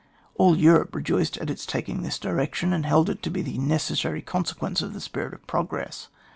All Europe rejoiced at its taking this direc tion, and held it to be the necessary consequence of the spirit of progress.